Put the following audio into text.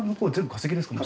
化石ですね